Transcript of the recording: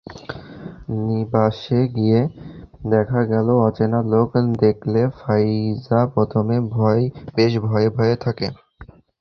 নিবাসে গিয়ে দেখা গেল, অচেনা লোক দেখলে ফাইজা প্রথমে বেশ ভয়ে ভয়ে থাকে।